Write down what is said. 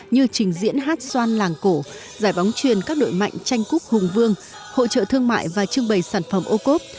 như trình diễn hát xoan làng cổ giải bóng truyền các đội mạnh tranh cúp hùng vương hỗ trợ thương mại và trưng bày sản phẩm ô cốp